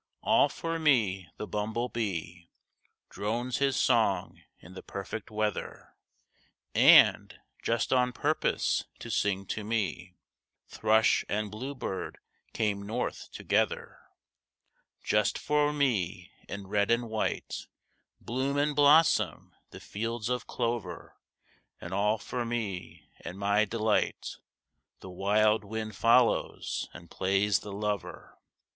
All for me the bumble bee Drones his song in the perfect weather; And, just on purpose to sing to me, Thrush and blue bird came North together. Just for me, in red and white, Bloom and blossom the fields of clover; And all for me and my delight The wild Wind follows and plays the lover.